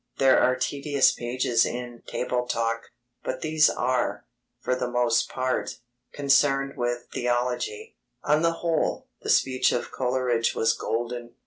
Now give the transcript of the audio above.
There are tedious pages in Table Talk, but these are, for the most part, concerned with theology. On the whole, the speech of Coleridge was golden.